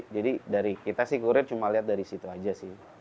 jadi dari kita sih kurir cuma lihat dari situ aja sih